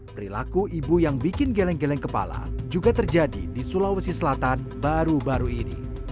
perilaku ibu yang bikin geleng geleng kepala juga terjadi di sulawesi selatan baru baru ini